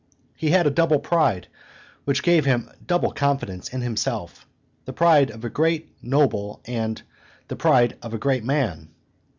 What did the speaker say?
He had a double pride, which gave him double confidence in himself, the pride of a great noble and the pride of a great man.